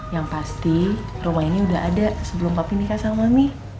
yang pasti rumah ini udah ada sebelum papi nikah sama nih